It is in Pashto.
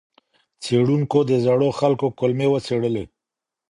څېړونکو د زړو خلکو کولمې وڅېړلې.